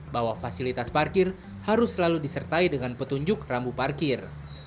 bahwa fasilitas parkir harus selalu disertai dengan petunjuk rambu parkir